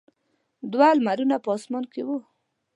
دوه لمرونه په اسمان کې وو.